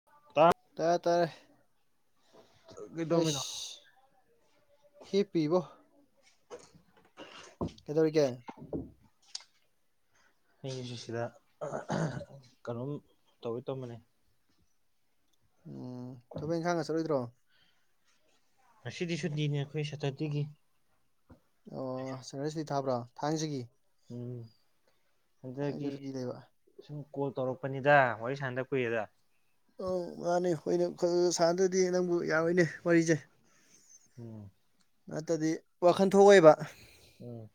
[unintelligible] ꯇꯥꯔꯦ ꯇꯥꯔꯦ ꯀꯩꯗꯧꯃꯤꯅꯣ ꯑꯦꯁ ꯍꯦ ꯄꯤꯕꯣ [unintelligible] ꯀꯩꯗꯧꯔꯤꯒꯦ [inaudible] ꯑꯩꯖꯨ ꯁꯤꯁꯤꯗ ꯀꯩꯅꯣꯝ ꯇꯧꯒꯦ ꯇꯧꯔꯝꯕꯅꯦ ꯑꯣ ꯊꯕꯛ ꯏꯪꯈꯥꯡꯒ ꯆꯠꯂꯣꯏꯗ꯭ꯔꯣ ꯉꯁꯤꯗꯤ ꯁꯨꯇꯤꯅꯦ ꯑꯩꯈꯣꯏ ꯁꯇꯔꯗꯦꯒꯤ ꯑꯣ [unintelligible] ꯊꯥꯕ꯭ꯔꯣ ꯊꯥꯡꯖꯒꯤ ꯎꯝ ꯊꯥꯡꯖ ꯑꯗꯨꯒꯤ ꯁꯨꯇꯤ ꯂꯩꯕ ꯁꯨꯝ ꯀꯣꯜ ꯇꯧꯔꯛꯄꯅꯤꯗ ꯋꯥꯔꯤ ꯁꯥꯟꯅꯗ ꯀꯨꯏꯔꯦꯗ ꯎꯝ ꯃꯥꯅꯤ [unintelligible] ꯁꯥꯟꯅꯗ꯭ꯔꯗꯤ ꯅꯪꯕꯨ ꯌꯥꯔꯣꯏꯅꯦ ꯋꯥꯔꯤꯖꯦ ꯎꯝ ꯅꯠꯇꯗꯤ ꯋꯥꯈꯟ ꯊꯣꯛꯑꯣꯏꯕ ꯎꯝ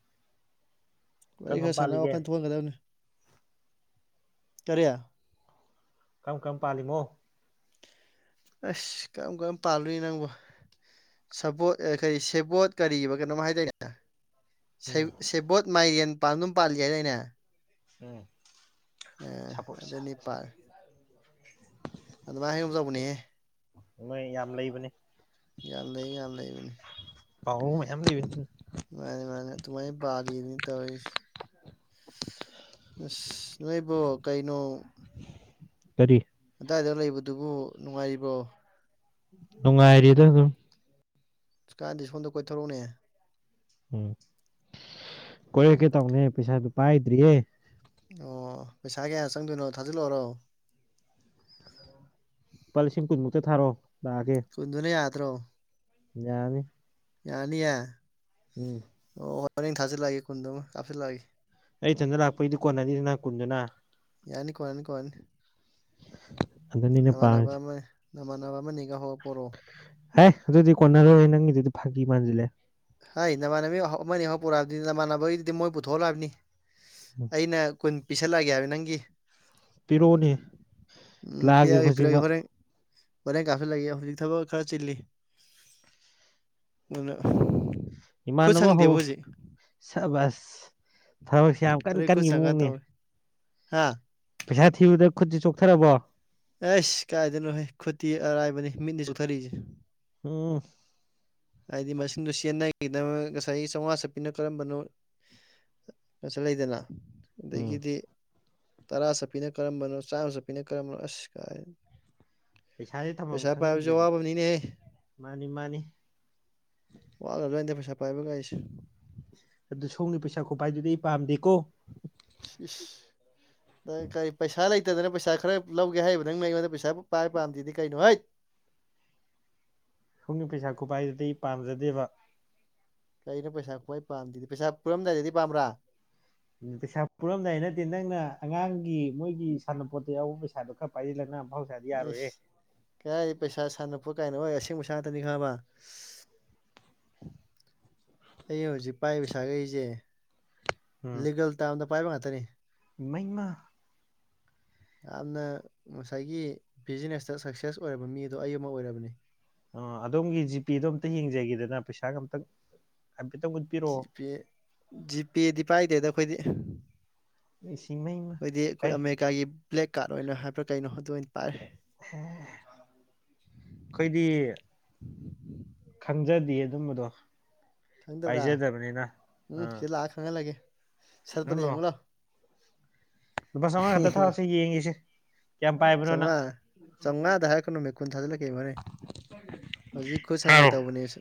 ꯋꯥꯔꯤ ꯀꯔꯝ ꯀꯔꯝ ꯈꯔ ꯁꯥꯟꯅꯔꯥ ꯄꯥꯜꯂꯤꯒꯦ ꯋꯥꯈꯜ ꯊꯣꯛꯍꯟꯒꯗꯕꯅꯤ ꯀꯔꯤ ꯀꯔꯝ ꯀꯔꯝ ꯄꯥꯜꯂꯤꯃꯣ ꯑꯁ ꯀꯔꯝ ꯀꯔꯝ ꯄꯥꯜꯂꯨꯏ ꯅꯪꯕꯣ ꯁꯕꯣꯠ ꯑ ꯀꯔꯤ ꯁꯦꯕꯣꯠ ꯀꯔꯤꯕ ꯀꯩꯅꯣꯝꯃ ꯍꯥꯏꯗꯥꯏꯅꯦ ꯁꯦ ꯎꯝ ꯁꯦꯕꯣꯠ ꯃꯥꯏꯔꯦꯟ ꯄꯥꯟꯒꯨꯝ ꯄꯥꯜꯂꯤ ꯍꯥꯏꯗꯥꯏꯅꯦ ꯎꯝ ꯑ ꯑꯗꯨꯅꯤ ꯄꯥꯟ ꯑꯗꯨꯃꯥꯏ ꯍꯥꯏꯒꯨꯝ ꯇꯧꯕꯅꯤꯍꯦ ꯃꯣꯏ ꯌꯥꯝ ꯂꯩꯕꯅꯤ ꯌꯥꯝ ꯂꯩ ꯌꯥꯝ ꯂꯩꯕꯅꯤ ꯄꯥꯎꯔꯧ ꯃꯌꯥꯝ ꯂꯩꯕꯅꯤ ꯃꯅꯦ ꯃꯅꯦ ꯑꯗꯨꯃꯥꯏ ꯄꯥꯜꯂꯤꯕꯅꯤ ꯇꯧꯔꯤꯁꯤ ꯑꯁ ꯅꯣꯏꯕꯣ ꯀꯩꯩꯅꯣ ꯀꯔꯤ ꯑꯗ꯭ꯋꯥꯏꯗ ꯂꯩꯕꯗꯨꯕꯨ ꯅꯨꯡꯉꯥꯏꯔꯤꯕ꯭ꯔꯣ ꯅꯨꯡꯉꯥꯏꯔꯤꯗ ꯑꯗꯨꯝ ꯑꯁ ꯀꯥꯟꯗꯦ ꯁꯣꯟꯗ ꯀꯣꯏꯊꯣꯔꯛꯎꯅꯦ ꯎꯝ ꯀꯣꯏꯔꯛꯀꯦ ꯇꯧꯅꯦ ꯄꯩꯁꯥꯗꯨ ꯄꯥꯏꯗ꯭ꯔꯤꯌꯦ ꯑꯣ ꯄꯩꯁꯥ ꯀꯌꯥ ꯆꯪꯗꯣꯏꯅꯣ ꯊꯥꯖꯤꯜꯂꯛꯑꯣꯔꯣ ꯂꯨꯄꯥ ꯂꯤꯁꯤꯡ ꯀꯨꯟꯃꯨꯛꯇ ꯊꯥꯔꯛꯑꯣ ꯂꯥꯛꯑꯒꯦ ꯀꯨꯟꯗꯨꯅ ꯌꯥꯔꯗ꯭ꯔꯣ ꯌꯥꯔꯅꯤ ꯌꯥꯔꯅꯤꯌꯦ ꯎꯝ ꯑꯣ ꯍꯣꯔꯦꯟ ꯊꯥꯖꯜꯂꯛꯑꯒꯦ ꯀꯨꯟꯗꯨꯃ ꯀꯥꯞꯁꯜꯂꯛꯑꯒꯦ ꯑꯩ ꯏꯊꯟꯗ ꯂꯥꯛꯄꯩꯗꯤ ꯀꯣꯟꯅꯅꯤꯗꯅ ꯀꯨꯟꯗꯨꯅ ꯌꯥꯅꯤ ꯀꯣꯟꯅꯅꯤ ꯀꯣꯟꯅꯤ ꯑꯗꯨꯅꯤ ꯅꯨꯄꯥ ꯍꯥꯏꯁꯤ ꯅꯃꯥꯟꯅꯕ ꯑꯃ ꯅꯤꯒ ꯍꯧꯔ ꯄꯣꯔꯛꯑꯣ ꯍꯦꯏ ꯑꯗꯨꯗꯤ ꯀꯣꯟꯅꯔꯣꯏ ꯅꯪꯒꯤꯗꯨꯗꯤ ꯐꯥꯒꯤ ꯃꯥꯟꯖꯤꯜꯂꯛꯑꯦ ꯍꯥꯏ ꯅꯃꯥꯟꯅꯕꯤ ꯍꯧ ꯑꯃ ꯑꯅꯤ ꯍꯧ ꯄꯨꯔꯛꯑꯣ ꯍꯥꯏꯕꯗꯤ ꯅꯃꯥꯟꯅꯕꯒꯤꯗꯨꯗꯤ ꯃꯣꯏ ꯄꯨꯊꯣꯛꯍꯜꯂꯣ ꯍꯥꯏꯕꯅꯤ ꯑꯩꯅ ꯀꯨꯟ ꯄꯤꯁꯜꯂꯛꯑꯒꯦ ꯍꯥꯏꯕ ꯅꯪꯒꯤ ꯄꯤꯔꯛꯑꯣꯅꯦ ꯎꯝ ꯂꯥꯛꯑꯒꯦ ꯄꯤꯔꯛꯑꯒꯦ ꯄꯤꯔꯛꯑꯒꯦ ꯍꯧꯖꯤꯛꯃꯛ ꯍꯣꯔꯦꯟ ꯍꯣꯔꯦꯟ ꯀꯞꯁꯜꯂꯛꯑꯒꯦ ꯍꯧꯖꯤꯛ ꯊꯕꯛ ꯈꯔ ꯆꯤꯜꯂꯤ ꯑꯗꯨꯅ ꯈꯨꯠ ꯏꯃꯥꯟꯅꯕ ꯍꯧ ꯁꯪꯗꯦꯕ ꯍꯧꯖꯤꯛ ꯁꯕꯖ ꯊꯕꯛꯁꯤ ꯌꯥꯝ ꯀꯟ ꯀꯟꯒꯤ ꯃꯑꯣꯡꯅꯤ ꯍꯥꯥ ꯄꯩꯁꯥ ꯊꯤꯕꯗ ꯈꯨꯠꯁꯤ ꯆꯣꯛꯊꯔꯕꯣ ꯑꯩꯁ ꯀꯥꯏꯗꯩꯅꯣꯍꯦ ꯈꯨꯠꯇꯤ ꯑꯔꯥꯏꯕꯅꯤ ꯃꯤꯠꯅꯤ ꯆꯣꯛꯊꯔꯤꯁꯦ ꯎꯝ ꯍꯥꯏꯗꯤ ꯃꯁꯤꯡꯗꯨ ꯆꯦꯟꯅꯒꯤꯗꯕ ꯉꯁꯥꯏꯒꯤ ꯆꯥꯝꯃꯉꯥ ꯆꯠꯄꯄꯤꯅ ꯀꯔꯝꯕꯅꯣ ꯀꯁꯨ ꯂꯩꯗꯅ ꯎꯝ ꯑꯗꯒꯤꯗꯤ ꯇꯔꯥ ꯆꯠ ꯄꯤꯅ ꯀꯔꯝꯕꯅꯣ ꯆꯥꯝꯃ ꯆꯞꯄꯤꯅ ꯀꯔꯝꯕꯅꯣ ꯑꯁ ꯀꯥꯏ ꯄꯩꯁꯥꯁꯦ ꯊꯝꯐꯝ ꯄꯩꯁꯥ ꯄꯥꯏꯕꯁꯨ ꯈꯪꯕꯤꯗ꯭ꯔꯦꯕ ꯑꯋꯥꯕꯝꯅꯤꯅꯦꯍꯦ ꯃꯥꯅꯤ ꯃꯥꯅꯤ ꯋꯥꯒꯕ ꯖꯥꯠꯅꯤꯗ ꯄꯩꯁꯥ ꯄꯥꯏꯕ ꯀꯥꯏꯁꯦ ꯑꯗꯨ ꯁꯣꯝꯒꯤ ꯄꯩꯁꯥ ꯈꯨꯣꯠꯄꯥꯏꯗꯨꯗꯤ ꯑꯩ ꯄꯥꯝꯗꯦꯀꯣ ꯏꯁ ꯏꯁ ꯅꯪ ꯀꯩ ꯄꯩꯁꯥ ꯂꯩ ꯂꯩꯇꯗꯅ ꯄꯩꯁꯥ ꯈꯔ ꯂꯧꯒꯦ ꯍꯥꯏꯔꯤꯕ ꯅꯪꯅ ꯑꯩꯉꯣꯟ ꯄꯩꯁꯥꯕꯨ ꯄꯥꯏ ꯄꯥꯝꯗꯦꯗꯤ ꯀꯩꯅꯣ ꯍꯩꯠ ꯁꯣꯝꯒꯤ ꯄꯩꯁꯥ ꯈꯨꯄꯥꯏꯗꯨꯗꯤ ꯑꯩ ꯄꯥꯝꯖꯗꯦꯕ ꯀꯩꯅꯣ ꯄꯩꯁꯥ ꯈ꯭ꯋꯥꯏ ꯄꯥꯝꯗꯦꯗꯤ ꯄꯩꯁꯥ ꯄꯨꯔꯝꯗꯥꯏꯗꯗꯤ ꯄꯥꯝꯕ꯭ꯔꯥ ꯎ ꯄꯩꯁꯥ ꯄꯨꯔꯝꯗꯥꯏ ꯅꯠꯇꯦ ꯅꯪꯅ ꯑꯉꯥꯡꯒꯤ ꯃꯣꯏꯒꯤ ꯁꯥꯟꯅꯄꯣꯠꯇ ꯌꯥꯎꯕ ꯄꯩꯁꯥꯗꯣ ꯈꯔ ꯄꯥꯏꯖꯤꯜꯂꯒ ꯅꯪ ꯑꯐꯥꯎ ꯁꯥꯏ ꯏꯁꯁ ꯀꯗꯥꯏꯗꯩ ꯄꯩꯁꯥ ꯁꯥꯟꯅꯄꯣꯠ ꯀꯥꯏꯅ ꯑꯣꯏ ꯑꯁꯦꯡꯕ ꯁꯥꯉꯥꯇꯅꯤ ꯈꯪꯉꯕ ꯑꯩ ꯍꯧꯖꯤꯛ ꯄꯥꯏ ꯄꯩꯁꯥꯈꯩꯖꯦ ꯂꯤꯒꯦꯜ ꯇꯥꯝꯗ ꯄꯥꯏꯕ ꯉꯥꯛꯇꯅꯤ ꯏꯃꯩꯃꯥ ꯌꯥꯝꯅ ꯉꯁꯥꯏꯒꯤ ꯕꯤꯖꯤꯅꯦꯁꯇ ꯁꯛꯁꯦꯁ ꯑꯣꯏꯔꯕ ꯃꯤꯗꯣ ꯑꯩ ꯑꯃ ꯑꯣꯏꯔꯕꯅꯤ ꯑ ꯑꯗꯣꯝꯒꯤ ꯖꯤꯄꯦꯗꯣ ꯑꯝꯇ ꯌꯦꯡꯖꯒꯦꯗꯅ ꯄꯩꯁꯥꯒ ꯑꯝꯇꯪ ꯍꯥꯏꯐꯦꯠꯇꯪ ꯎꯠꯄꯤꯔꯛꯑꯣ ꯖꯤꯄꯦ ꯖꯤꯄꯦꯗꯤ ꯄꯥꯏꯗꯦꯗ ꯑꯩꯈꯣꯏꯗꯤ ꯏꯁꯤꯡꯃꯩꯃ ꯍꯣꯏꯗꯤ ꯑꯩꯈꯣꯏ ꯑꯩ ꯑꯃꯦꯔꯤꯀꯥꯒꯤ ꯕ꯭ꯂꯦꯛ ꯀꯥꯠ ꯑꯣꯏꯅ ꯍꯥꯏꯕ꯭ꯔꯥ ꯀꯩꯅꯣ ꯑꯗꯨ ꯑꯣꯏꯅ ꯄꯥꯏ ꯍꯦ ꯑꯩꯈꯣꯏꯗꯤ ꯈꯪꯖꯗꯦ ꯑꯗꯨꯝꯕꯗꯣ ꯈꯪꯗꯕ꯭ꯔꯥ ꯄꯥꯏꯖꯗꯕꯅꯤꯅ ꯎꯝ ꯑꯥ ꯁꯤ ꯂꯥꯛꯑ ꯈꯪꯍꯜꯂꯒꯦ ꯁꯠꯄꯗ ꯍꯜꯂꯣ ꯌꯦꯡꯉꯣ ꯂꯥꯎ ꯂꯨꯄꯥ ꯆꯧꯉꯥ ꯈꯇꯥ ꯊꯥꯎ ꯁꯦ ꯌꯦꯡꯉꯦꯁꯦ ꯆꯧꯉꯥ ꯆꯝꯉꯥꯗ ꯍꯥꯏꯔꯛꯀꯅꯨꯃꯦ ꯀꯨꯟ ꯊꯥꯖꯤꯜꯂꯛꯀꯦ ꯍꯣꯔꯦꯟ ꯍꯧꯖꯤꯛ ꯈꯨꯠ ꯁꯪꯒꯦ ꯊꯥꯔꯣ ꯇꯧꯕꯅꯦꯁꯤ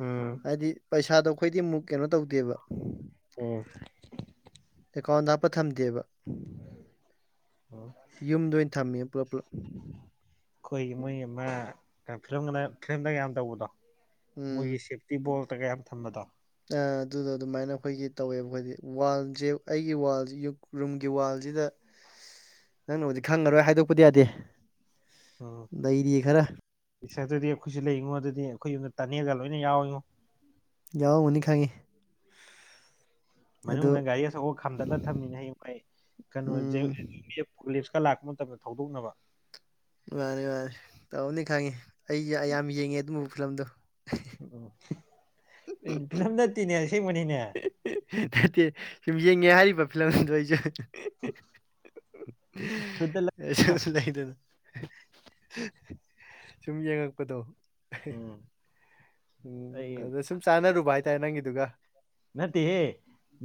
ꯎꯝ ꯄꯩꯁꯥꯗꯣ ꯑꯩꯈꯣꯏꯗꯤ ꯃꯨꯛ ꯀꯩꯅꯣ ꯇꯧꯗꯦꯕ ꯎꯝ ꯑꯦꯀꯥꯎꯟꯗ ꯍꯥꯞꯄ ꯊꯝꯗꯦꯕ ꯑꯣ ꯌꯨꯝꯗ ꯑꯣꯏꯅ ꯊꯝꯃꯦ ꯄꯨꯂꯞ ꯄꯨꯂꯞ ꯑꯩꯈꯣꯏꯒꯤ ꯃꯣꯏꯒꯤ ꯃ ꯀ ꯐꯤꯂꯝꯒꯅ ꯐꯤꯂꯝꯗ ꯌꯥꯝ ꯇꯧꯕꯗꯣ ꯎꯝ ꯃꯣꯏꯒꯤ ꯁꯦ ꯇꯤꯕꯣꯜꯇꯒ ꯌꯥꯝ ꯊꯝꯕꯗꯣ ꯑ ꯑꯗꯨꯗꯣ ꯑꯗꯨꯃꯥꯏꯅ ꯑꯩꯈꯣꯏꯒꯤ ꯇꯧꯋꯦꯕ ꯑꯩꯈꯣꯏꯗꯤ ꯋꯥꯜꯖꯦ ꯑꯩꯒꯤ ꯋꯥꯜꯖꯦ ꯌꯨꯛ ꯔꯨꯝꯒꯤ ꯋꯥꯜꯖꯤꯗ ꯑ [unintelligible] ꯅꯪꯅꯕꯨꯗꯤ ꯈꯪꯉꯔꯣꯏ ꯍꯥꯏꯗꯣꯛꯄꯗꯤ ꯌꯥꯗꯦ ꯎꯝ ꯂꯩꯔꯤ ꯈꯔ ꯏꯁ ꯑꯗꯨꯗꯤ ꯑꯩꯈꯣꯏꯁꯨ ꯂꯩꯔꯤꯉꯣ ꯑꯗꯨꯗꯤ ꯑꯩꯈꯣꯏ ꯌꯨꯝꯗ ꯇꯅꯦꯔꯒ ꯂꯣꯏꯅ ꯌꯥꯎꯋꯉꯣ ꯌꯥꯎꯔꯝꯒꯅꯤ ꯈꯪꯉꯦ ꯑꯗꯨ ꯃꯅꯨꯡꯗ ꯒꯥꯔꯤ ꯑꯆꯥꯎꯕ ꯈꯥꯝꯗꯠꯂ ꯊꯝꯃꯤꯅꯦ ꯍꯌꯦꯡ ꯃꯥꯏ ꯀꯩꯅꯣ ꯎꯝ ꯞꯂꯤꯁꯀ ꯂꯥꯛꯄ ꯃꯇꯝꯗ ꯊꯧꯗꯣꯛꯅꯕ ꯍꯥꯔꯦ ꯍꯥꯔꯦ ꯇꯧꯅꯤ ꯈꯪꯉꯤ ꯑꯩ ꯌꯥꯝ ꯌꯦꯡꯉꯦ ꯑꯗꯨꯝꯕꯕ ꯐꯤꯂꯝꯗꯣ ꯎꯝ ꯐꯤꯂꯝ ꯅꯠꯇꯦꯅꯦ ꯑꯁꯦꯡꯕꯅꯤꯅꯦ ꯅꯠꯇꯦ ꯁꯨꯝ ꯌꯦꯡꯉꯦ ꯍꯥꯏꯔꯤꯕ ꯐꯤꯂꯝ ꯑꯗꯨꯗꯣ ꯑꯩꯁꯨ [unintelligible] ꯑꯦꯁ ꯂꯩꯗꯅ ꯁꯨꯝ ꯌꯦꯡꯉꯛꯄꯗꯣ ꯎꯝ ꯑꯩ ꯎꯝ ꯑꯗꯨꯗ ꯁꯨꯝ ꯆꯥꯟꯅꯔꯨꯕ ꯍꯥꯏꯇꯥꯔꯦ ꯅꯪꯒꯤꯗꯨꯒ꯫ ꯅꯠꯇꯦꯍꯦ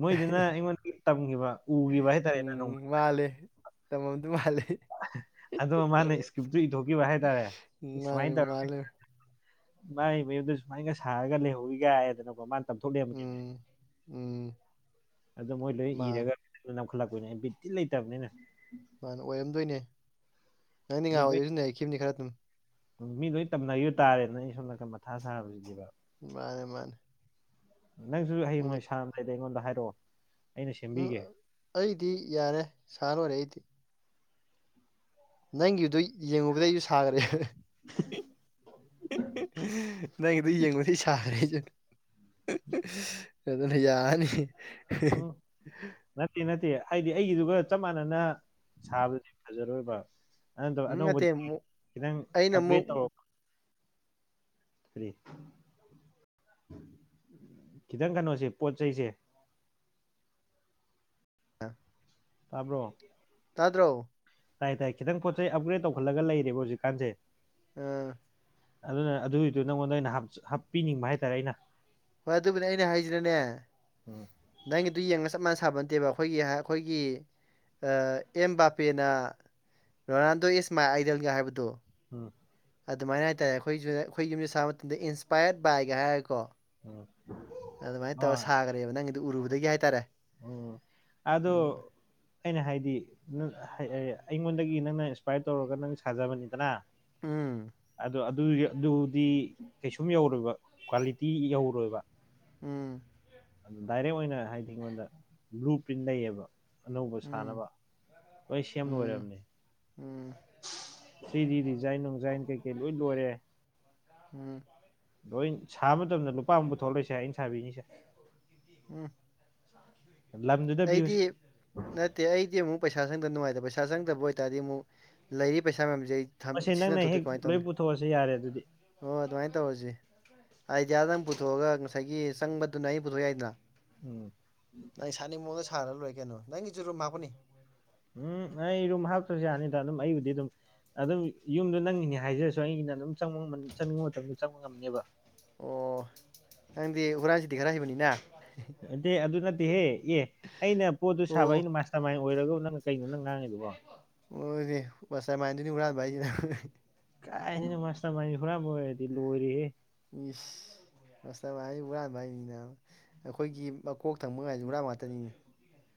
ꯃꯣꯏꯗꯨꯅ ꯑꯩꯉꯣꯟ ꯇꯝꯒꯤꯕ ꯎꯒꯤꯕ ꯍꯥꯏꯇꯥꯔꯦꯗ ꯅꯣꯡꯃ꯫ ꯃꯥꯜꯂꯤ ꯇꯝꯃꯝꯗꯧ ꯃꯥꯜꯂꯤ꯫ ꯑꯍ ꯑꯗꯣ ꯃꯥꯅ ꯁꯀ꯭ꯔꯤꯞꯇꯨ ꯏꯊꯣꯛꯈꯤꯕ ꯍꯥꯏꯇꯥꯔꯦ ꯎꯝ ꯃꯥꯅꯤ ꯁꯨꯃꯥꯏꯅ ꯇꯧꯔꯒꯦ ꯃꯥꯜꯂꯦ ꯃꯥꯏ ꯃꯌꯨꯝꯗ ꯁꯨꯃꯥꯏꯟꯒ ꯁꯥꯔꯒ ꯂꯩꯍꯧꯋꯤꯒ ꯍꯥꯏꯗꯅ ꯀꯣ ꯃꯥꯅ ꯇꯝꯊꯣꯛ ꯂꯩꯔꯝꯕꯅꯦꯃꯦ ꯎꯝ ꯎꯝ꯫ ꯑꯗꯨ ꯃꯣꯏ ꯂꯣꯏ ꯃꯥꯅꯦ ꯏꯔꯒ ꯅꯝꯈꯠꯂꯛꯄꯤꯅꯦ ꯕꯤꯠ ꯊꯤꯟ ꯂꯩꯇꯕꯅꯤꯅ ꯃꯥꯅꯦ ꯑꯣꯏꯔꯝꯗꯣꯏꯅꯦ ꯅꯪꯗꯤ ꯃꯤ ꯂꯣꯏ ꯉꯍꯥꯟꯑꯣꯏꯗꯁꯨ ꯅꯩꯔꯛꯈꯤꯝꯅꯤ ꯈꯔ ꯑꯗꯨꯝ꯫ ꯃꯤ ꯂꯣꯏ ꯇꯝꯅꯒꯤꯕ ꯇꯥꯔꯦꯗꯅ ꯑꯩꯅ ꯁꯣꯝ ꯅꯥꯀꯟ ꯃꯊꯥ ꯁꯥꯕꯁꯤꯗꯦꯕ꯫ ꯃꯥꯅꯦ ꯃꯥꯅꯦ꯫ ꯅꯪꯁꯨ ꯅꯪꯗꯤ ꯍꯌꯦꯡꯋꯥꯏ ꯁꯥꯔꯝꯗꯥꯏꯗ ꯑꯩꯉꯣꯟꯗ ꯍꯥꯏꯔꯛꯑꯣ ꯑꯩꯅ ꯎꯝ ꯁꯦꯝꯕꯤꯒꯦ꯫ ꯑꯩꯗꯤ ꯌꯥꯔꯦ ꯁꯥꯥ ꯂꯣꯏꯔꯦ ꯑꯩꯗꯤ꯫ ꯅꯪꯒꯤꯗꯨ ꯌꯦꯡꯉꯨꯕꯗꯩ ꯑꯩꯁꯨ ꯁꯥꯒꯔꯦ [unintelligible] ꯅꯪꯒꯤꯗꯨ ꯌꯦꯡꯎꯕꯗꯩ ꯁꯥꯒꯔꯦ ꯑꯩꯖꯨ [unintelligible] ꯑꯗꯨꯅ ꯌꯥꯔꯅꯤ꯫ ꯎꯝ [unintelligible] ꯅꯠꯇꯦ ꯅꯠꯇꯦ ꯍꯥꯏꯗꯤ ꯑꯩꯒꯤꯗꯨꯒ ꯆꯞ ꯃꯥꯟꯅꯅ ꯁꯥꯕꯗꯨꯗꯤ ꯐꯖꯔꯣꯏꯕ꯫ ꯑꯗꯨ ꯅꯠꯇꯕ ꯎꯝ ꯅꯠꯇꯦ ꯑꯅꯧꯕꯗꯤ ꯑꯃꯨꯛ ꯈꯤꯖꯥꯏꯟ ꯅꯪ ꯑꯩꯅ ꯑꯃꯨꯛ ꯑꯞꯒ꯭ꯔꯦꯗ ꯇꯧꯔꯛꯑꯣ ꯀꯔꯤ ꯈꯤꯇꯪ ꯀꯩꯅꯣꯁꯤ ꯄꯣꯠ ꯆꯩꯁꯦ ꯑ ꯇꯥꯕ꯭ꯔꯣ ꯇꯥꯗ꯭ꯔꯣ ꯇꯥꯏ ꯇꯥꯏ ꯈꯤꯇꯪ ꯄꯣꯠ ꯆꯩꯩ ꯑꯞꯒ꯭ꯔꯦꯗ ꯇꯧꯈꯠꯂꯒ ꯂꯩꯔꯦꯕ ꯍꯧꯖꯤꯛꯀꯥꯟꯁꯦ꯫ ꯑꯥ ꯑꯗꯨꯅ ꯑꯗꯨꯒꯤꯗꯨ ꯅꯪꯉꯣꯟꯗ ꯑꯣꯏꯅ ꯍꯥꯞꯆ ꯍꯥꯞꯄꯤꯅꯤꯡꯕ ꯍꯥꯏꯇꯥꯔꯦ ꯑꯩꯅ꯫ ꯍꯣꯏ ꯑꯗꯨꯕꯨꯅꯦ ꯑꯩꯅ ꯍꯥꯏꯖꯤꯅꯅꯦ ꯎꯝ ꯅꯪꯒꯤꯗꯨ ꯌꯦꯡꯉ ꯆꯞ ꯃꯥꯟꯅ ꯁꯥꯕꯟ ꯅꯠꯇꯦꯕ ꯑꯈꯣꯏꯒꯤ ꯍ ꯑꯈꯣꯏꯒꯤ ꯑ ꯑꯦꯝ ꯕꯥꯄꯦꯅ ꯔꯣꯅꯥꯜꯗꯣ ꯏꯁ ꯃꯥꯏ ꯑꯥꯏꯗꯜꯒ ꯍꯥꯏꯕꯗꯣ꯫ ꯎꯝ ꯑꯗꯨꯃꯥꯏꯅ ꯍꯥꯏꯇꯥꯔꯦ ꯑꯩꯈꯣꯏꯖꯨ ꯑꯩꯈꯣꯏ ꯌꯨꯝꯁꯦ ꯁꯥꯕ ꯃꯇꯝꯗ ꯏꯟꯁꯄꯥꯏꯌꯔ꯭ꯠ ꯕꯥꯏꯒ ꯍꯥꯏꯔꯒꯀꯣ ꯎꯝ ꯑꯗꯨꯃꯥꯏꯟ ꯇꯧꯔ ꯍꯣꯏ ꯁꯥꯒꯔꯦꯕ ꯅꯪꯒꯤꯗꯤ ꯎꯔꯨꯕꯗꯒꯤ ꯍꯥꯏꯇꯥꯔꯦ꯫ ꯎꯝ ꯎꯝ ꯑꯗꯣ ꯑꯩꯅ ꯍꯥꯏꯗꯤ ꯅꯪ ꯑꯩꯉꯣꯟꯗꯒꯤ ꯅꯪꯅ ꯏꯟꯁꯄꯥꯌꯔ꯭ꯠ ꯇꯧꯔꯒ ꯅꯪ ꯁꯥꯖꯕꯅꯤꯗꯅ ꯎꯝ ꯑꯗꯨ ꯑꯗꯨꯏ ꯑꯗꯨꯗꯤ ꯀꯩꯁꯨꯝ ꯌꯧꯔꯣꯏꯕ ꯀ꯭ꯋꯥꯂꯤ ꯇꯤ ꯌꯧꯔꯣꯏꯕ ꯎꯝ꯫ ꯗꯥꯏꯔꯦꯛ ꯑꯣꯏꯅ ꯍꯥꯏꯗꯤ ꯑꯩꯉꯣꯟꯗ ꯕ꯭ꯨꯂ ꯄ꯭ꯔꯤꯟ ꯂꯩꯌꯦꯕ꯫ ꯑꯅꯧꯕ ꯎꯝ ꯁꯥꯅꯕ ꯂꯣꯏꯟ ꯁꯦꯝ ꯎꯝ ꯂꯣꯏꯔꯝꯅꯤ꯫ ꯎꯝ꯫ ꯊ꯭ꯔꯤꯗꯤ ꯗꯤꯖꯥꯏꯟ ꯅꯣꯡꯖꯥꯏꯟ ꯀꯩ ꯀꯩ ꯂꯣꯏꯟ ꯂꯣꯏꯔꯦ꯫ ꯎꯝ ꯂꯣꯏꯟ ꯁꯥꯕ ꯃꯇꯝꯗ ꯂꯨꯄꯥ ꯑꯝ ꯄꯨꯊꯣꯛꯂꯣꯏꯁꯦ ꯑꯩꯟ ꯁꯥꯕꯤꯅꯤꯁꯦ ꯎꯝ ꯂꯝꯗꯨꯗ ꯑꯩꯗꯤ ꯄꯤꯌꯨꯁꯦ ꯅꯠꯇꯦ ꯑꯩꯗꯤ ꯑꯃꯨꯛ ꯄꯩꯁꯥ ꯆꯪꯗ ꯅꯨꯡꯉꯥꯏꯇꯕ ꯄꯩꯁꯥ ꯆꯪꯗꯕ ꯑꯣꯏꯇꯥꯔꯗꯤ ꯑꯃꯨꯛ ꯂꯩꯔꯤ ꯄꯩꯁꯥ ꯃꯌꯥꯝꯁꯦ ꯑꯩ ꯃꯁꯦ ꯁꯤꯖꯤꯟꯅ ꯅꯪꯅ ꯍꯦꯛ ꯂꯣꯏꯟ ꯄꯨꯊꯣꯛꯑꯣꯁꯦ ꯌꯥꯔꯦ ꯑꯗꯨꯗꯤ ꯍꯣ ꯑꯗꯨꯃꯥꯏꯟ ꯇꯧꯔꯖꯤ ꯑꯥꯏꯗꯤꯌꯥꯗꯪ ꯄꯨꯊꯣꯛꯑꯒ ꯉꯁꯥꯏꯒꯤ ꯆꯪꯕꯗꯨꯅ ꯑꯩꯟ ꯄꯨꯊꯣꯛ ꯌꯥꯏꯗꯅ꯫ [inaudible] ꯅꯪ ꯁꯥꯅꯤꯡ ꯃꯑꯣꯡꯗ ꯁꯥꯔ ꯂꯣꯏꯔꯦ ꯀꯩꯅꯣ ꯅꯪꯒꯤꯖꯨ ꯔꯨꯝ ꯍꯥꯞꯀꯅꯤ꯫ ꯎꯝ ꯑꯩ ꯔꯨꯝ ꯍꯥꯞꯇ꯭ꯔꯁꯨ ꯌꯥꯅꯤꯗ ꯑꯗꯨꯝ ꯑꯩꯕꯨꯗꯤ ꯑꯗꯨꯝ ꯑꯗꯨꯝ ꯌꯨꯝꯗꯣ ꯅꯪꯒꯤꯅꯦ ꯍꯥꯏꯖꯔꯁꯨ ꯑꯩꯒꯤꯅ ꯑꯗꯨꯝ ꯆꯪꯅꯤꯡꯕ ꯃꯇꯝꯗ ꯆꯪꯕ ꯉꯝꯅꯦꯕ ꯑꯣ ꯅꯪꯗꯤ ꯍꯨꯔꯥꯟ ꯆꯤꯟꯊꯤ ꯈꯔ ꯍꯩꯕꯅꯤꯅ ꯅꯠꯇꯦ ꯑꯗꯨ ꯅꯠꯇꯦꯍꯦ ꯑꯦ ꯑꯩꯅ ꯄꯣꯠꯇꯨ ꯑꯣ ꯁꯥꯕ ꯑꯩꯅ ꯃꯥꯁ ꯃꯥꯏꯅ ꯑꯣꯏꯔꯒ ꯅꯪꯅ ꯀꯩꯅꯣ ꯅꯪ ꯉꯥꯡꯉꯤꯗꯨꯕꯣ ꯍꯣꯏꯅꯦ ꯃꯥꯁꯇꯔꯃꯥꯏꯟꯗꯗꯨꯅꯤ ꯍꯨꯔꯥꯟꯕ ꯍꯥꯏꯁꯤꯅ ꯀꯥꯏꯗꯩꯅ‌ꯣ ꯃꯥꯁꯇꯔꯃꯥꯏꯟꯗꯁ‌ꯦ ꯍꯨꯔꯥꯟꯕ ꯑꯣꯏꯔꯗꯤ ꯂ‌ꯣꯏꯔ‌ꯦꯍ‌ꯦ ꯏꯁ ꯃꯥꯁꯇꯔꯃꯥꯏꯟꯗ ꯍꯨꯔꯥꯟꯕ ꯍꯥꯏꯅꯤꯅ ꯑꯩꯈꯣꯏꯒꯤ ꯃꯀꯣꯛ ꯊꯪꯕ ꯉꯥꯏꯁꯦ ꯍꯨꯔꯥꯟꯕ ꯉꯥꯛꯇꯅꯤꯅꯦ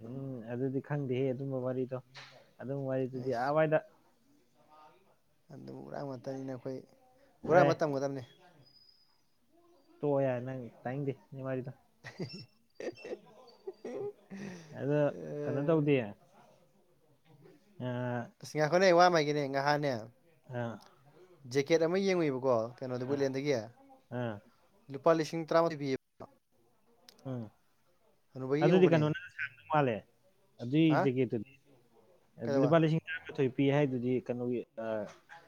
ꯎꯝ ꯑꯗꯨꯗꯤ ꯈꯪꯗꯦꯍꯦ ꯑꯗꯨꯝꯕ ꯋꯥꯔꯤꯗꯣ ꯑꯗꯨꯝꯕ ꯋꯥꯔꯤꯗꯨꯗꯤ ꯑꯩꯁ ꯑꯥꯋꯥꯏꯗ ꯑꯗꯨꯝ ꯍꯨꯔꯥꯟꯕ ꯉꯥꯛꯇꯅꯤꯅ ꯑꯩꯈꯣꯏ ꯑꯦ ꯍꯨꯔꯥꯟꯕ ꯇꯝꯒꯗꯕꯅꯤ ꯇꯣꯛꯑꯣ ꯌꯥꯔꯦ ꯅꯪ ꯇꯥꯏꯅꯤꯡꯗꯦ ꯅꯪ ꯋꯥꯔꯤꯗ‌ꯣ [unintelligible] ꯑꯗꯣ ꯀꯩꯅꯣ ꯑꯦ, ꯇꯧꯗꯦ ꯑꯥ ꯏꯁ ꯉꯥꯏꯈꯣꯅꯦ ꯋꯥꯝ ꯍꯥꯏꯒ‌ꯦꯅ‌ꯦ ꯉꯍꯥꯟꯅ‌ꯦ ꯑ ꯖꯦꯀꯦꯠ ꯑꯃ ꯌꯦꯡꯉꯨꯏꯕꯀꯣ ꯀꯩꯅꯣꯗ ꯑꯥ ꯋꯨꯠꯂꯦꯟꯗꯒꯤ ꯑꯥ ꯂꯨꯄꯥ ꯂꯤꯁꯤꯡ ꯇꯔꯥꯃꯥꯊ‌ꯣꯏ ꯄꯤ ꯎꯝ ꯍꯅꯨꯕꯒꯤ ꯑꯗꯨꯗꯤ ꯀꯩꯅꯣ ꯌꯦꯡꯉꯨꯕꯅꯦ [unintelligible] ꯃꯥꯜꯂꯦ ꯑꯗꯨꯏ ꯍꯥ ꯖꯦꯀꯦꯠꯇꯨꯅꯤ ꯂꯨꯄꯥ ꯀꯩꯗꯧꯕ ꯂꯤꯁꯤꯡ ꯇꯔꯥꯃꯥꯊꯣꯏ ꯄꯤ ꯍꯥꯏꯗꯨꯗꯤ ꯀꯩꯅꯣꯒꯤ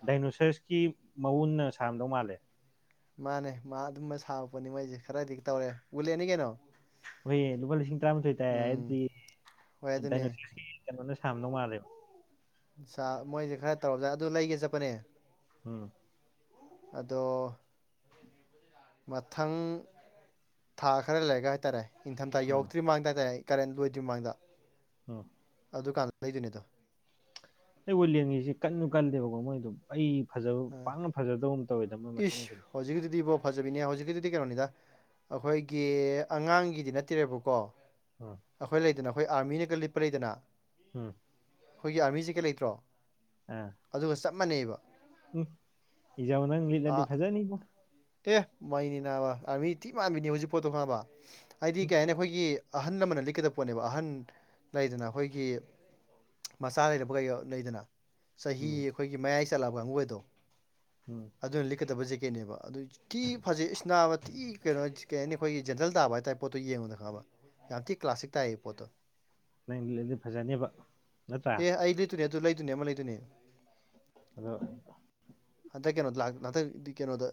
ꯗꯥꯏꯅꯣꯁꯔꯁꯀꯤ ꯃꯎꯟꯅ ꯁꯥꯔꯝꯗꯧ ꯃꯥꯜꯂꯦ ꯃꯥꯅꯦ ꯃꯥ ꯑꯗꯨꯝꯕ ꯁꯥꯕ ꯄꯣꯠꯅꯤ ꯃꯣꯏꯁꯦ ꯈꯔꯗꯤ ꯇꯧꯔꯦ ꯋꯨꯠꯂ‌ꯦꯟꯅꯤ ꯀꯩꯅꯣ ꯍ‌ꯣꯏꯌ‌ꯦ ꯂꯨꯄꯥ ꯂꯤꯁꯤꯡ ꯇꯔꯥꯃꯥꯊꯣꯏ ꯇꯥꯏ ꯎꯝ ꯍꯥꯏꯗꯨꯗꯤ ꯍꯣꯏ ꯑꯗꯨꯅꯦ ꯗꯥꯏꯅ‌ꯣꯁꯔꯁꯀꯤ ꯀꯩꯅꯣꯅ ꯁꯥꯔꯝꯗꯧ ꯃꯥꯜꯂꯦꯕ ꯁꯥ ꯃꯣꯏꯁꯦ ꯈꯔ ꯇꯧꯔ ꯑꯗꯨ ꯂꯩꯒꯦ ꯆꯠꯄꯅꯦ ꯎꯝ ꯑꯗꯣ ꯃꯊꯪ ꯊꯥ ꯈꯔ ꯂꯩꯔꯒ ꯍꯥꯏꯇꯥꯔꯦ ꯏꯪꯊꯝꯊꯥ ꯎꯝ ꯌꯧꯔꯛꯇ꯭ꯔꯤꯃꯥꯡꯗ ꯍꯥꯏꯇꯥꯔꯦ ꯀꯔꯦꯟ ꯂꯣꯏꯗ꯭ꯔꯤꯃꯥꯡꯗ ꯎꯝ ꯑꯗꯨꯀꯥꯟꯗ ꯂꯩꯗꯣꯏꯅꯤꯗꯣ ꯑꯗ‌ꯣ ꯋꯨꯠꯂ‌ꯦꯟꯒꯤꯁꯤ ꯀꯟꯁꯨ ꯀꯟꯂ‌ꯦꯕꯀ‌ꯣ ꯃꯣꯏꯗꯨꯝ ꯑꯩ ꯐꯖꯕ ꯄꯥꯛꯅ ꯐꯖꯗꯧ ꯇꯧꯋꯦꯗ ꯃꯣꯏ ꯃꯁꯛꯈꯩꯗꯣ ꯍꯧꯖꯤꯛꯀꯤꯗꯨ ꯗꯤꯕ‌ꯣ ꯐꯖꯕꯤꯅꯦ ꯍꯧꯖꯤꯛꯀꯤꯗꯨꯗꯤ ꯀꯩꯅꯣꯅꯤꯗ ꯑꯩꯈꯣꯏꯒꯤ ꯑꯉꯥꯡꯒꯤꯗꯤ ꯅꯠꯇꯦꯔ‌ꯦꯕꯀꯣ ꯎꯝ ꯑꯩꯈꯣꯏ ꯂꯩꯗꯅ ꯑꯩꯈꯣꯏ ꯑꯥꯔꯃꯤꯅꯒ ꯂꯤꯠꯄ ꯂꯩꯗꯅ ꯎꯝ ꯑꯩꯈꯣꯏꯒꯤ ꯑꯥꯔꯃꯤ ꯖ‌ꯦꯀ‌ꯦꯠ ꯂꯩꯇ꯭ꯔꯣ ꯑ ꯑꯗꯨꯒ ꯆꯞ ꯃꯥꯟꯅꯩꯕ ꯎꯝ ꯏꯖꯧ ꯋꯅꯪ ꯑ ꯂꯤꯠꯂꯗꯤ ꯐꯖꯥꯅꯤꯕꯣ ꯑꯦ ꯃꯩꯅꯤ ꯅꯥꯕ ꯑꯥꯔꯃꯤ ꯊꯤ ꯃꯥꯟꯕꯤꯅ‌ꯦ ꯍꯧꯖꯤꯛ ꯄꯣꯠꯇꯣ ꯈꯪꯉꯕ ꯍꯥꯏꯗꯤ ꯎꯝ ꯀꯩ ꯍꯥꯏꯅꯤ ꯑꯩꯈꯣꯏꯒꯤ ꯑꯍꯜ ꯑꯃꯅ ꯂꯤꯠꯀꯗꯕ ꯄꯣꯠꯅꯦꯕ ꯑꯍꯟ ꯂꯩꯗꯅ ꯑꯩꯈꯣꯏꯒꯤ ꯃꯆꯥ ꯂꯩꯔꯕ ꯀꯩ ꯂꯩꯗꯅ ꯆꯍꯤ ꯎꯝ ꯑꯩꯈꯣꯏꯒꯤ ꯃꯌꯥꯏ ꯆꯠꯂꯕ ꯀꯥꯡꯉꯨꯗꯣ ꯎꯝ ꯑꯗꯨꯅ ꯂꯤꯠꯀꯗꯕ ꯖꯦꯀꯦꯠꯅꯦꯕ ꯑꯗꯨ ꯊꯤ ꯐꯖꯩ ꯏꯁ ꯅꯥꯕ ꯊꯤ ꯀꯩꯅꯣ ꯀꯩ ꯍꯥꯏꯅꯤ ꯑꯩꯈꯣꯏꯒꯤ ꯖꯦꯟꯇꯜ ꯇꯥꯕ ꯍꯥꯏ ꯇꯞ ꯄꯣꯠꯇꯣ ꯌꯦꯡꯕꯗ ꯈꯪꯉꯕ ꯌꯥꯝ ꯊꯤ ꯀ꯭ꯂꯥꯁꯤꯛ ꯇꯥꯏꯌꯦ ꯄꯣꯠꯇꯣ ꯅꯪ ꯂꯤꯠꯂꯗꯤ ꯐꯖꯅꯦꯕ ꯅꯠꯇ꯭ꯔꯥ ꯑꯗꯨꯅꯦ ꯑꯗꯨ ꯂꯩꯗꯣꯏꯅꯦ ꯑꯃ ꯂꯩꯗꯨꯅꯦ ꯑꯗꯣ ꯍꯟꯗꯛ ꯀꯩꯅꯣꯗ ꯍꯟꯗꯛ ꯀꯩꯅꯣꯗ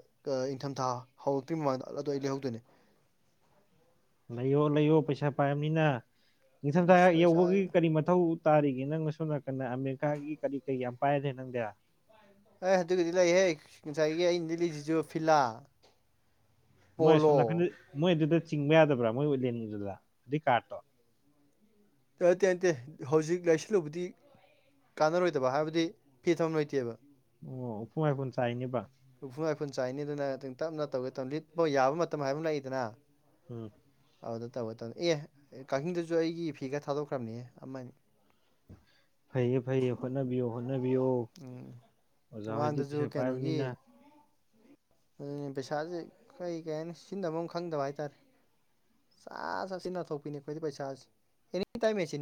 ꯏꯪꯊꯝꯊꯥ ꯍꯧꯔꯛꯇ꯭ ꯃꯃꯥꯡꯗ ꯑꯗꯨꯗꯣ ꯑꯩ ꯂꯩꯍꯧꯗꯣꯏꯅꯦ ꯂꯩꯌꯣ ꯂꯩꯌꯣ ꯄꯩꯁꯥ ꯄꯥꯏꯝꯅꯤꯅ ꯅꯤꯡꯊꯝꯊꯥ ꯏꯁ ꯄꯩꯁꯥ ꯌꯧꯕꯒꯤ ꯀꯔꯤ ꯃꯊꯧ ꯇꯥꯔꯤꯒ ꯅꯪꯅ ꯁꯣꯝ ꯅꯥꯀꯟꯗ ꯑꯃꯦꯔꯤꯀꯥꯒꯤ ꯀꯔꯤ ꯀꯔꯤ ꯌꯥꯝ ꯄꯥꯏꯗ꯭ꯔꯦ ꯅꯪꯗꯤ ꯑꯦ ꯑꯗꯨꯒꯤꯗꯤ ꯂꯩꯍꯦ ꯉꯁꯥꯏꯒꯤ ꯑꯩꯅꯗꯤ ꯂꯩꯁꯤꯁꯨ ꯐꯤꯂꯥ ꯃꯣꯏ ꯑꯁꯣꯝ ꯄꯣꯂꯣ ꯅꯥꯀꯟꯗ ꯃꯣꯏ ꯑꯗꯨꯗ ꯆꯤꯡꯕ ꯌꯥꯗꯕ꯭ꯔꯥ ꯃꯣꯏ ꯎꯠꯂꯦꯟꯅꯤꯡꯗꯨꯗ ꯑꯗꯨꯏ ꯀꯥꯔꯠꯇꯣ ꯇꯦ ꯅꯠꯇꯦ ꯍꯧꯖꯤꯛ ꯂꯩꯥꯏꯁꯤꯜꯂꯨꯕꯗꯤ ꯀꯥꯟꯅꯔꯣꯏꯗꯕ ꯍꯥꯏꯕꯗꯤ ꯐꯤ ꯊꯝ ꯂꯩꯣꯏꯇꯦꯕ ꯑꯣ ꯎꯐꯨ ꯍꯥꯏꯐꯨ ꯆꯥꯏꯅꯦꯕ ꯍꯐꯨ ꯃꯏꯐꯨꯟ ꯆꯥꯏꯅꯤ ꯑꯗꯨꯅ ꯑꯗꯨ ꯇꯞꯅ ꯇꯧꯒꯦ ꯇ ꯂꯤꯠꯄꯣ ꯌꯥꯕ ꯃꯇꯝ ꯍꯥꯏꯕ ꯑꯃ ꯂꯥꯛꯏꯗꯅ ꯎꯝ ꯑꯗꯨꯗ ꯇꯧꯒ ꯇꯧꯅꯤ ꯑꯦ ꯀꯛꯆꯤꯡꯗꯁꯨ ꯑꯩꯒꯤ ꯐꯤꯒ ꯊꯥꯗꯣꯛꯈ꯭ꯔꯕꯅꯦ ꯑꯃꯅꯤ ꯐꯩꯌꯦ ꯐꯩꯌꯦ ꯍꯣꯠꯅꯕꯤꯌꯣ ꯍꯣꯠꯅꯕꯤꯌꯣ ꯎꯝ ꯑꯣꯖꯥ ꯍꯣꯏꯗꯤ ꯃꯃꯥꯡꯗꯁꯨ ꯄꯩꯁꯥ ꯀꯩꯅꯣꯒꯤ ꯄꯥꯏꯕꯅꯤꯅ ꯑꯗꯨ ꯄꯩꯁꯥꯁꯦ ꯀꯩ ꯀꯩ ꯍꯥꯏꯅꯤ ꯁꯤꯟꯗꯕ ꯑꯃ ꯈꯪꯗꯕ ꯍꯥꯏꯇꯥꯔꯦ ꯆ ꯆ ꯁꯤꯟꯅꯊꯣꯛꯄꯤꯅꯦ ꯑꯩꯈꯣꯏꯗꯤ ꯄꯩꯁꯥꯁ ꯑꯦꯅꯤ ꯇꯥꯏꯝ